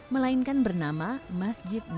selain itu beberapa masjid lain